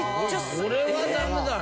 これはダメだね。